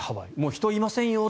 人いませんよと。